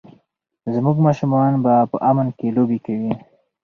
زموږ ماشومان به په امن کې لوبې کوي.